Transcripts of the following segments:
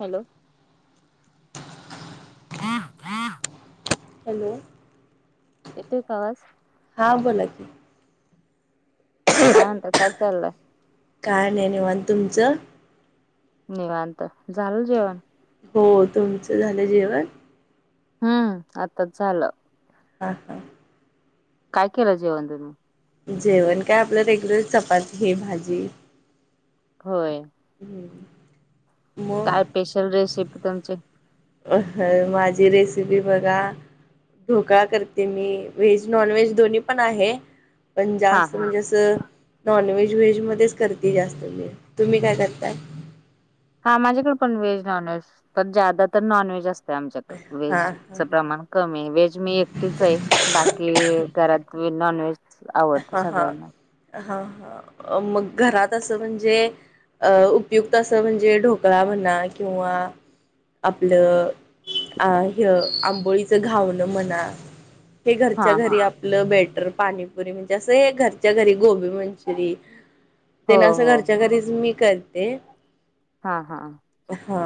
Hello. Hello. येतोय का आवाज? हां बोला की. काय म्हणतं काय चाललंय? काय नाय निवांत तुमचं? निवांत झालं जेवण? हो तुमचं झालं जेवण? हम्म आताच झालं. हां हां. काय केलं जेवण तुम्ही? जेवण काय आपलं रेग्युलर चपाती हे भाजी. होय. हम्म. मग काय पेशल रेसिपी तुमची? माझी रेसिपी बघा ढोकळा करते मी व्हेज, नॉन व्हेज दोन्ही पण आहे. पण हा जास्त हा म्हणजे असं नॉन व्हेज, व्हेजमध्येच करते जास्त मी तुम्ही काय करताय? हा माझ्याकडे पण व्हेज नॉन व्हेज पण ज्यादा तर नॉन व्हेज असते आमच्याकड हां हां व्हेजचा प्रमाण कमी आहे व्हेज मी एकटीच आहे बाकी घरात नॉन व्हेज हा हा हा हा मग घरात असं म्हणजे अं उपयुक्त असं म्हणजे ढोकळा म्हणा किंवा आपलं अ हय आंबोळीच घावणं म्हणा हे हा घरच्या हा घरी आप पलं बेटर पाणीपुरी म्हणजे असं घरच्या घरी गोबी मंचुरी हो ते ना असं हो घरच्या घरीच मी करते. हा हा हा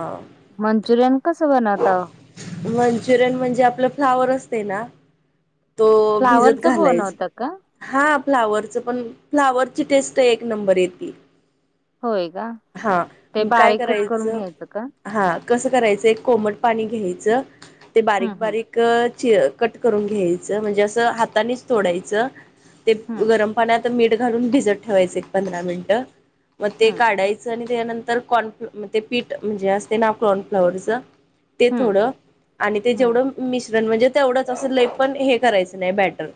मंचुरियन कसं बनवतं ओ? मंचुरियन म्हणजे आपलं फ्लावर असते ना तो भिजत फ्लावरच घालायच बनवता का हा फ्लावरचं पण फ्लावरची टेस्ट एक नंबर येती. होय का हा ते काय बारीक कट करून करायचं घ्यायचं का? हा कसं करायचं एक कोमट पाणी घ्यायचं ते हम्म हम्म बारीक-बारीक क चि कट करून घ्यायच म्हणजे अस हातानिच तोडायचं ते हम्म गरम पाण्यात मीठ घालून भिजत ठेवायचं एक पंधरा मिनिटं मग ते हम्म काढाय चा आणि त्यानंतर कॉर्नफॉ ते पीठ म्हणजे असते ना कॉर्नफ्लॉवरचं ते हम्म थोडं आणि ते हम्म जेवढं- मिश्रण. म्हणजे तेवढंच अस लय पण हे करायचं नाही बॅटर.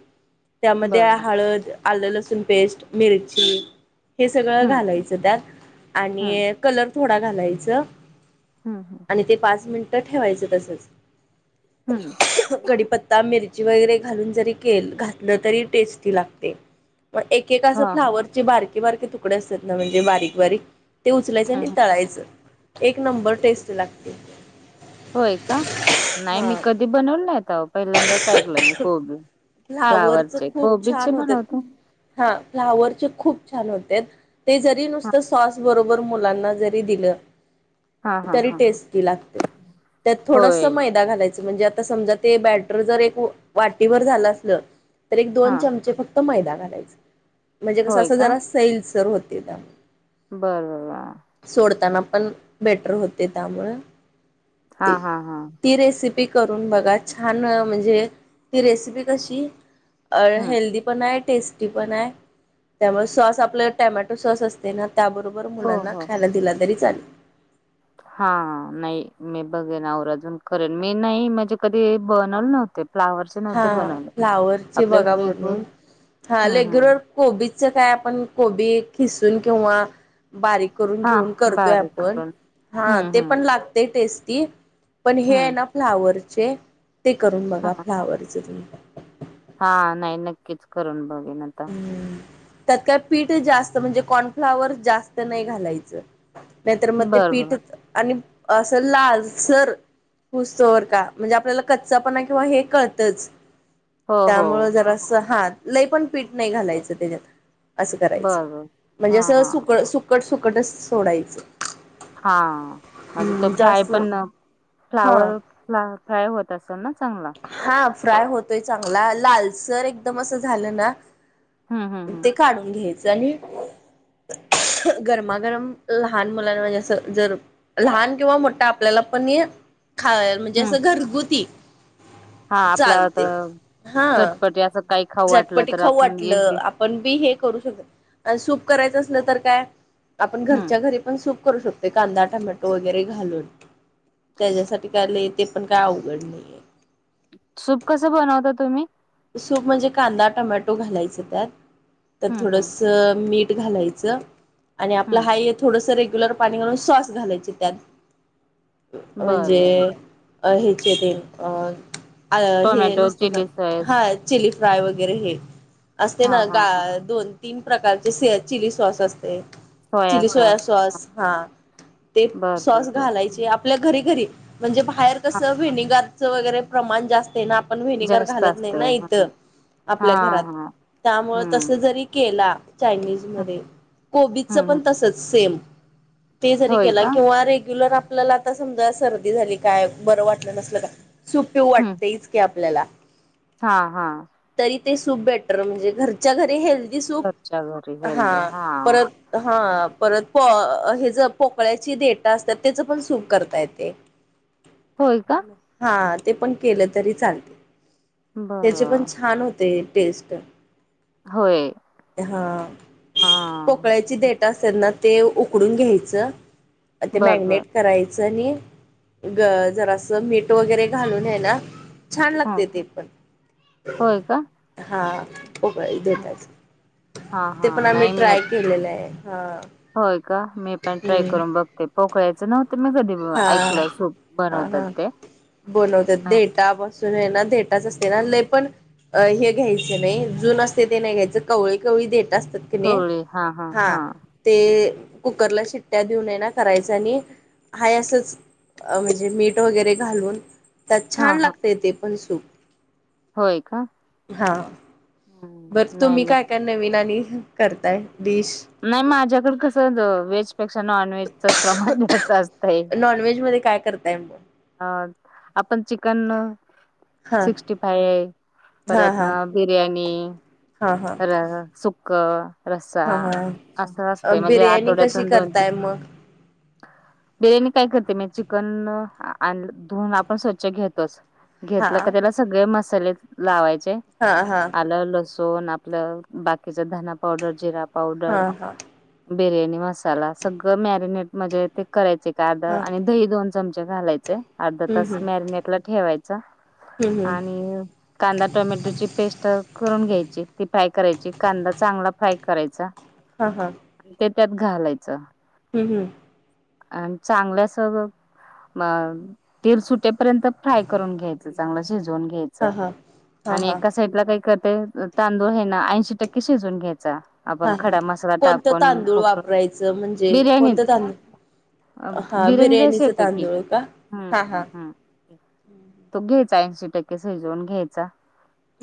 त्यामध्ये बरं हळद- आलं लसूण पेस्ट, मिरची हे सगळं हम्म घालायचं त्यात. हम्म आणि- कलर थोडा घालायचा. हम् हम्. आणि ते पाच मिनिटं ठेवायचं तसंच. हम्म. कढीपत्ता, मिरची वगैरे घालून जरी केल घातलं तरी टेस्टी लागते. मग एक एका असं हा हा फ्लावरचे बारके बारके तुकडे असतात ना? म्हणजे बारीक बारीक. ते उचलायचं आणि हम्म हम्म तळायचं. एक नंबर टेस्ट लागते. होय का? नाही हा मी कधी बनवल नाहीत आहो. पहिल्यांदाच ऐकलं मी कोबी फ्लावरच फ्लावरचे. खूप कोबीचे छान होते बनवते मी. हा. फ्लावरचे खूप छान होत्यात. ते जरी हा नुसत सॉस बरोब- बर मुलांना जरी दिलं- हा हा तरी हा हा टेस्टी लागत. त्यात थोडस होय मैदा घालायचं. म्हणजे आता समजा - ते बॅटर जर एक वाटीवर झालं असलं, तर एक हा दोन चमचे फक्त- मैदा घालायचा. म्हणजे कसं होय असं का? जरा सैल सर होते बॅ - बरं बरर. सोडताना पण बॅटर होते त्यामुळे. हा हा हा ती रेसिपी- करून बघा छान म्हणजे, ती रेसिपी कशी? अ हम्म हेल्दी पण आहे. टेस्ट- स्टी पण आहे. त्यामुळे सॉस आपल टॉमेटो सॉस असते ना त्याबरोबर - हो मुलांना हो खायला दिला तरी चालेल. हा. नाही मी बघेन औराजून करेन. मी नाही म्हणजे कधी हे बनवल नव्हत फ्लावर्स- हा. फ्लावरचे बघा बनवून. हा हम्म हम्म लेग्युलर- कोबीच काय आपण? कोबी खिसून किंवा- बारीक करून हा घेऊन करतोय बारीक आपण. करून हा. हम्म ते हम्म पण लागतय टेस्टी. पण हे आहे हम्म ना फ्लावरचे? ते करून बघा हा फ्लावरचे तुम्ही. हा. नाही नक्कीच करून बघेन आता. त्यात काय पीठ जास्त, म्हणजे कॉर्नफ्लाॉवर जास्त नाही घालायचं. नाहीतर मग ते बर बर पीठ, आणि असं लालसर- हुईस्तोवर का म्हणजे? आपल्याला कच्चा पणा किंवा हे कळतंच. हो हो त्यामुळं जरासं हा. लय पण पीठ नाही घालायचं त्याच्यात. असं करायचं. बर बर म्हणजे हा असं हा सुक सुकट सुकटच सोडायचं. हा. म्हणजे त हम्म फ्राय जास्त पण हा फ्लावर- फ्लावर फ्राय होत असेल ना चांगला. हा. फ्राय होतोय चांगला. लालसर एकदम असं झालं ना? हम्म हम्म ते हम्म काढून घ्यायचं आणि- गरमागरम लहान मुलांना म्हणजे असं जर- लहान किंवा मोठा आपल्याला पण नाई. खायाल म्हणजे हम्म असं घरगुती. चालत. हा. जरासक ऐक झटपटी खाऊ वाटलं आप - पण बी हे करू शकतो. आन सूप करायचं असलं तर काय? आपण हम्म घरच्या घरी- पण सूप करू शकतो. कांदा टमॅटो वगैरे घालून. त्याच्यासाठी काय लई ते पण काय अवघड नाहीये. सूप कसं बनवता तुम्ही? सूप म्हणजे कांदा टोमॅटो घालायचं त्यात. तर हम्म हम्म थोडंस- मीठ घालायचं आणि आपला हम्म हा येत- थोडस रेग्युलर पाणी घालून सॉस घालायच त्यात. बर बर म्हणजे- अ हेचे ते अ हे टोमॅटो नसते का? चिली हा सॉस चिली फ्राय वगैरे हे असते हा ना हा ग हा दोन. तीन प्रकारचे चिली सॉस असते. चिली सोया सॉस हा ते बर बर सॉस बर घालायचे. आपल्या घरी घरी म्हणजे बाहेर हा कसं हा व्हेनेगरचं वगैरे प्रमाण जास्त आहे ना आपण व्हेनेगर जास्त घालत. असते हा इथ हा आपल्या घात हा त्यामुळे हम्म त जरी केला हम्म चायनीजमध्ये कोबीच हम्म पण हम्म तसचं सेम. ते जरी होय केला का किंवा रेग्युलर आपल्याला आता समजा सर्दी झाली काय बरं वाटलं नसल काय? सपेव हम्म वाटतेच काी आपल्याला. हा हा. तरी ते सूप बेटर म्हणजे घरच्या घरी हेल्दी घरच्या घरी सूप हा हेल्दी परत. हा परत प हे ज पोकळ्याची डेटा असतात त्याचं पण सूप करता येते. [inaudible] होय का? हा ते पण केलं तरी चालेल, त्याची पण बरं छान होते टेस्ट. होय. हा. हा पोकळ्याची देट असत्यात ना ते उकडून घ्यायचं. ते बर बर मॅगिनेट करायचं आणि ग जरासं मीठ वगैरे घालून आहे ना, छान ह लागते ते पण. होय का हा. पोकळ्याच्या देटाचे, हा ते हा पण आम्ही नाही मी ट्राय येत केलेलं आहे हा. होय का मी पण ट्राय हम्म करून बघते पोकळाचं नव्हं. तुम्ही कधी हा ऐकलं सूप हा बनवतात हा ते नाही. ते ना देटाच असते ना हं. लय पण. हे घ्यायचं नाही जुन असते ते नाही घ्यायचं कवळी कवळी देट असतात. कणी हा ते कुकरला शिट्ट्या देऊन हाय ना करायचं आणी. हाय असंच म्हणजे मीठ वगैरे घालून. त्यात हा छान हा लागतंय ते पण सूप. होय का? हा हं. बरं नाही तुम्ही नाही काय काय नवीन आणि करताय डिश नाही माझ्याकडं कसं व्हेज. पेक्षा नॉन व्हेजच प्रमाण असतयं. नॉनव्हेज मध्ये काय करताय मग अ आपण चिकन. हां सिक्टी फाय हां परत न हां बिर्याणी, हां हां सुकं. रस्सा हां हां असं असतय म्हणजे बिर्याणी कशी आठवड्यातून दोन तीन करताय मग बिर्याणी काय करते माय चिकन धुवून आपण स्वच्छ घेतोच. हा घेतलं का त्याला सगळे मसाले लावायचे हा हा आलं, लसूण आपलं बाकीच धना पावडर, जिरा हा पावडर. हा बिर्याणी मसाला सगळं मॅरिनेट म्हणजे ते करायचे का अर्ध हा आणि. दही दोन चमचे घालायचे अर्धा हम्म तास हम्म मॅरिनेट ला ठेवायचा हम्म हम्म आणि कांदा टोमॅटोची पेस्ट करून घ्यायची ती फ्राय करायची कांदा चांगला फ्राय करायचा. हा हा आणि ते त्यात घालायचं. हम् हम् आणि चांगलं अस. म तेल सुटेपर्यंत फ्राय करून घ्यायच चांगलं शिजवून हा घ्यायचं. हा हा आणि हा एका साईडला काही करते तांदूळ हे ना ऐंशी टक्के शिजवून घ्यायचं. आपण हा हा खडा मसाला कोणतं टाकून तांदूळ उकडून वापरायचं म्हणजे बिर्याणीच कोणतं तांदूळ हा बिर्याणी राईस बिर्याणीचं येतो की तांदूळ का ह हा हा हं. तो घ्यायचा ऐंशी टक्के शिजवून घ्यायचा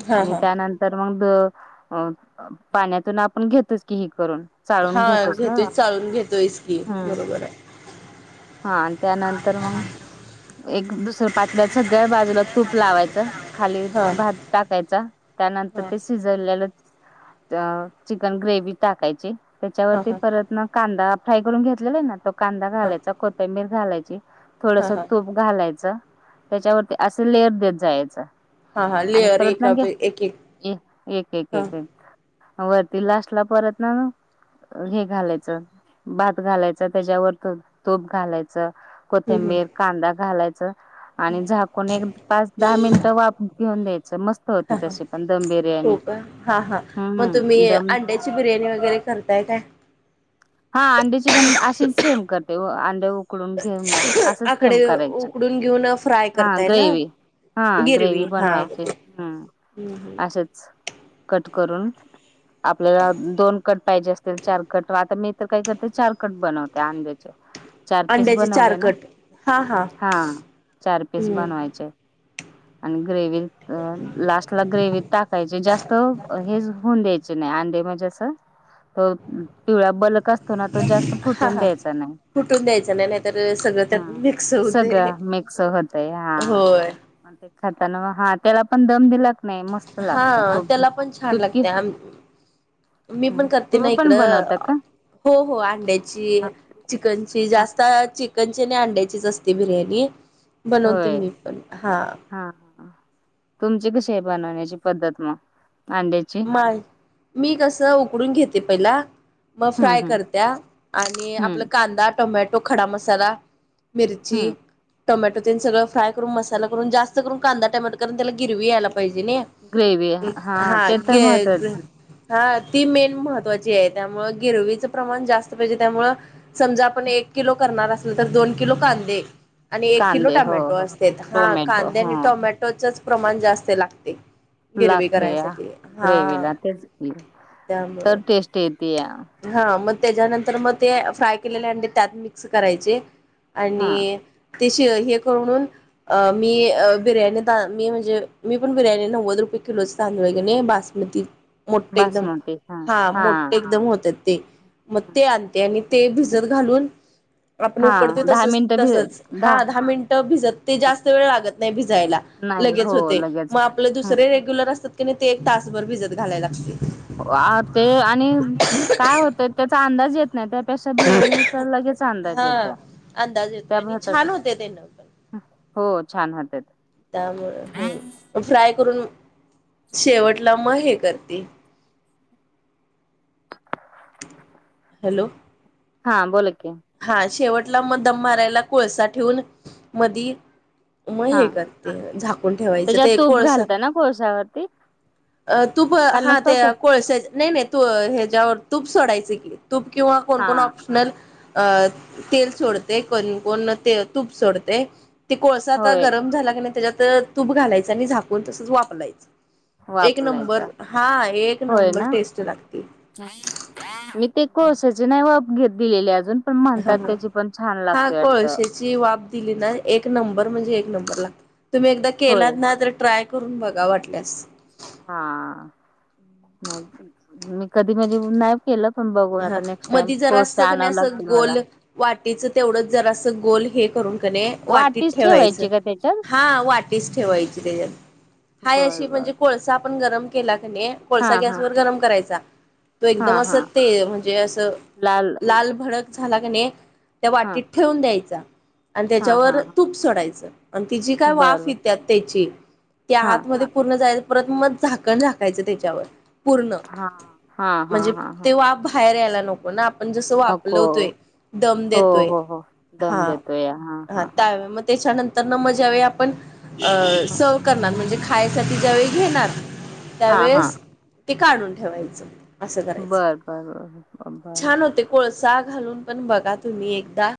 हा आणि हा त्यानंतर तर मग पाण्यातून आपण घेतोच की हे करून चाळून हा घेतोच ना घेतोय चाळुण घेतोयच की हम्म. बरोबर हाय हा त्यानंतर मग एक दुसर्या पातेल्यात सगळ्या बाजूला तूप लावायचं खाली हा भात टाकायचा. त्यानंतर हा ते शिजवलेली चिकन ग्रेव टाकायची हा त्याच्यावरती हा परत ना कांदा फ्राय करून घेतलेला आहे ना तो कांदा हा घालायचा कोथिंबीर घालायची हा थोडस हा तूप घालायचं त्याच्यावरती असं लेअर देत जायचं हा हा आणि लेअर परत ना एका घ्या एक एक एक एक हा एक एक हम्म वरती लास्टला परत न, हे घालायचं भात घालायचं त्याच्यावर तूप घालायचं हम्म कोथिंबीर कांदा घालायचा आणि झाकुण एक पाच दहा मिनिटं वाप घेऊन द्यायच मस्त होते हा हा तशी पण दम हो बिर्याणी का हा हा मग हम्म तुम्ही दम अंड्याची बिर्याणी वगैरे करताय काय हा अंड्याची पण अशी सेम करते अंडे उकडून. घेऊन ना असच आकडे सेम करायचे उकडून घेऊन फ्राय हा करताय ना ग्रेवी. हा गिरवी ग्रेवी हा बनवायचे हम्म हम्म असेच कट करून. आपल्याला दोन कट पाहिजे असतील चार कट व आता मी तर काय करते चार कट बनवते. अंड्याचे. चार पीस अंड्याचे चार बनवले ना कट हा हा चार पीस हम्म बनवायचे. आणि ग्रेव लास्ट ग्रेवीत टाकायची जास्त हे होऊन द्यायचे नाही अंडे म्हणजे असं तो पिवळ्या बलक असतो ना तो जास्त फुटून द्यायचा नाही. फुटु द्यायचं नाही नाही तर सगळं हा त्यात मिक्स होतंय सगळं होय. म ते खाताना हा त्याला पण दम दिलात नाही मस्त हा लागत तो त्याला पण छान तुटकी लागते आ मी पण करते ना तुम्ही इकड पण बनवता का हो हो अंड्याची हा चिकनची हा जास्त चिकनची न‌अंड्याचीच असते बिर्याणी. बनवते होय मी पण हां. हा तुमची कशी आहे बनवण्याची पद्धत मग अंड्याची. मी कस उकडून घेते पहिला मग हं, फ्राय हं, करतीया आणि हं, आपला कांदा टोमॅटो खडा मसाला मिरची हं. टोमॅटो ते सगळं फ्राय करुन मसाला करून जास्त करून कांदा टोमॅटो करून त्याला गिरवी यायला पाहिजे नाही. ग्रेवी हा ते तर महत्वाचं. [unintelligible] हा ती मेन महत्त्वाची आहे त्यामुळं गिरवीचं प्रमाण जास्त पाहिजे त्यामुळं समजा आपण एक किलो करणार असेल तर दोन किलो कांदे आणि एक किलो कांदे हो, टोमॅटो हो. असते हा टोमॅटो कांदे आणि हं, टोमॅटो च प्रमाण जास्त लागते गिरवी करायसाठी. ग्रेवी हा ला तेच तर त्यामुळे टेस्ट येतीया. हा मग त्याच्यानंतर मग ते फ्राय केलेले अंडे त्यात मिक्स करायचे आणि हां, ते हे करून‌ अ मी बिर्याणी मी म्हणजे मी पण बिर्याणी नव्वद रुपये किलोच तांदूळ हाय का नी बाकी बासमती मोठे एकदम बासमती हां, हा हां. मोठे एकदम होत्यात. ते मग ते हं, आणते आणि ते भिजत घालून आपण उकडतो हां, तसच मिनिटं भि तसच हा दहा मिनटं भिजत ते हां, जास्त वेळ लागत नाही भिजायला नाही लगेच हो होते लगेच. मग आपले हं, दुसरे रेग्युलर असतात की नाही ते एक तासभर भिजत घालायला लागतय. अ ते आणि काय होतंय त्याचा अंदाज येत नाही. नाही त्यापेक्षा बिर्याणीचा लगेच अंदाज हा येत अंदाज येतोय त्या आणि भाताचा. छान होते ते न पण हो छान होते. त्यामुळे ह फ्राय करून शेवटला मग हे करते. हॅलो. हां बोला की. हा शेवटला मग दम मारायला कोळसा ठेवून मधी मग हे हा करते झाकून ठेवायचं ते एक कोळस कोळसावरती. अ तूप हा ते कोळसा नाही नाही तू ह्याच्यावर तूप सोडायचं की. तुप किंवा कोण हा कोण नल तेल सोडतय‌ कोण कोण ते तूप सोडतय. ते कोळसा आता होय गरम झाला की नाही त्याच्यात तूप घालायचं आणि झाकून तसंच वाफवायच. एक नंबर वापलायचा हा एक होय नंबर ना टेस्ट लागते. मी ते कोळसाचे नाही वाफ घेत दिलेले अजून. पण म्हणतात त्याची पण छान लागते वाटतं. चि वाफ दिलीना एक नंबर म्हणजे एक नंबर लागते. तुम्ही एकदा केलात होय ना तर ट्राय करून बघा वाटल्यास. हा नाही मी कधी म्हणजे नाही केलं. पण बघू हा आता नेक्स्ट टाइम मधी जरा कोळसे असं क आणाव नाही असं लागतील मला. गोल वाटीच तेवढंच जरा असं गोल हे करून किनाय वाटीत वाटीच ठेवायचं, ठेवायची का त्याच्यात हा वाटीच ठेवायची त्याच्यात. हाय बर अशी बर म्हणजे कोळसा आपण गरम केला कि नाय हा कोळसा गॅस हा वर गरम करायचा तो एकदम हा अस हा ते म्हणजे असं लाल भडक झाला क नाही त्या हा वाटीत ठेवून द्यायचा आणि हा त्याच्यावर हा हा तूप सोडायचं. आणि ति जी काय बर वाफ बर येत त्याची त्या हा हातमध्ये पूर्ण जाय परत म झाकण झाकायचं त्याच्यावर पूर्ण हा हा हा म्हणजे हा हा ते वाफ बाहेर यायला नको ना. पण जस नको वापलवतोय दम हो देतोय, हो हो दम हा देतो या हां हा हां हां त्यावेमध्ये त्यांच्या नंतरन ज्यावेळी आपण अ हां सव करणार खायसाठी ज्यावेेळी घेणार हां हां त्यावेळेस ते काढून ठेवायचं. असं करायचं. बरं, बर, बर- छान होते कोळसा घालून पण बघा तुम्ही एकदा